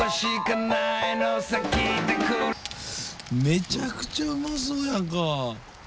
めちゃくちゃうまそうやんか。